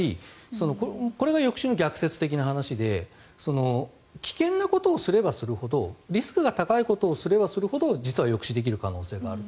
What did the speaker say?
これが抑止の逆説的な話で危険なことをすればするほどリスクが高いことをすればするほど実は抑止できる可能性があると。